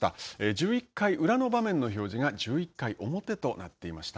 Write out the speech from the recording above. １１回裏の場面の表示が１１回表となっていました。